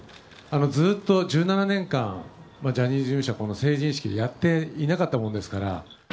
ずっと１７年間、ジャニーズ事務所は成人式やっていなかったもんですから。